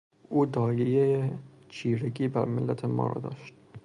او داعیهی چیرگی بر ملت ما را داشت.